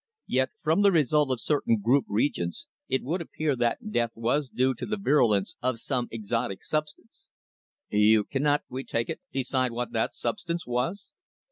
"Yet from the result of certain group reagents it would appear that death was due to the virulence of some azotic substance." "You cannot, we take it, decide what that substance was?"